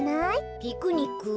ピクニック？